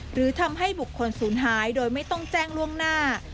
หรือทำให้บุคคลศูนย์หายโดยไม่ต้องแจ้งล่วงหน้า